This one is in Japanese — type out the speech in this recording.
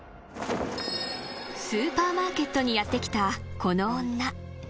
［スーパーマーケットにやって来たこの女］